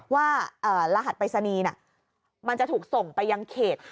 ว่ารหัสปริศนีย์มันจะถูกส่งไปยังเขต